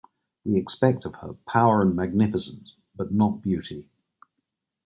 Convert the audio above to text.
We expect of her power and magnificence, but not beauty.